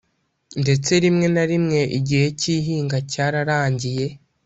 ndetse rimwe na rimwe igihe cy’ihinga cyararangiye